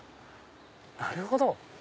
なるほど。